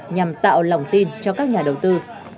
nhằm tạo lòng tin cho các nhà đầu tư